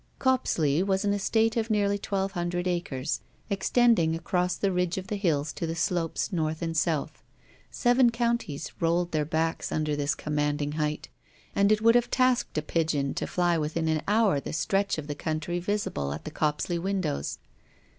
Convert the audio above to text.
Copsley was an estate of nearly twelve hundred acres, extending across the ridge of the hills to the slopes North and South. Seven counties rolled their backs under this commanding height, and it would have tasked a pigeon to fly within an hour the stretch of country visible at the Copsley windows.